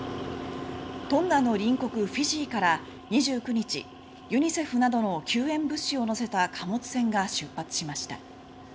トンガの隣国フィジーから２９日ユニセフなどの救援物資を載せた貨物船が出発しました。